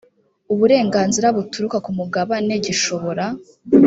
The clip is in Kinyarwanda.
uburenganzira buturuka ku mugabane gishobora